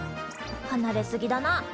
はなれ過ぎだな。